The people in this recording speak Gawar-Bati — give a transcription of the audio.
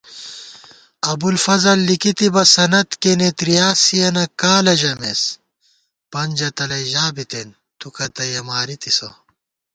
ابُوالفضل لِکی تِبہ سند کېنےتریاسِیَنی کالہ ژمېس * پنجہ تلَئ ژا بِتېن تُوکتّیَہ مارِتِسہ